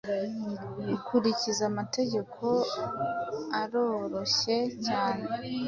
ukurikiza amategeko aroroshye cyane